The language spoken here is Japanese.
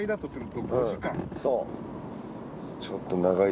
そう。